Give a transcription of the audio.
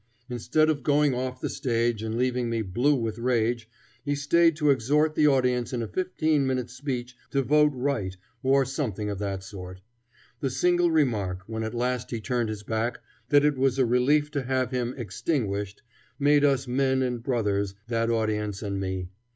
Instead of going off the stage and leaving me blue with rage, he stayed to exhort the audience in a fifteen minutes' speech to vote right, or something of that sort. The single remark, when at last he turned his back, that it was a relief to have him "extinguished," made us men and brothers, that audience and me.